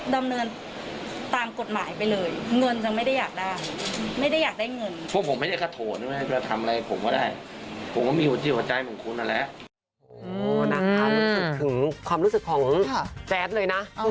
ดำเนินตามกฎหมายไปเลย